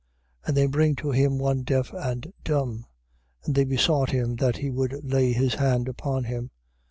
7:32. And they bring to him one deaf and dumb: and they besought him that he would lay his hand upon him.